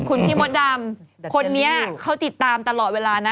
คนนี้เขาติดตามตลอดเวลาน่ะ